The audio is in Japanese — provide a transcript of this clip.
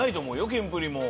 キンプリも。